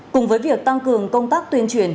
cùng với việc tăng cường công tác tuyên truyền